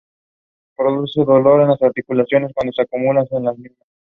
Produce dolor en las articulaciones cuando se acumula en las mismas.